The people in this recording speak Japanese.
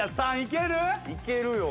いけるよ。